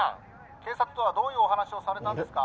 警察とはどういうお話をされたんですか？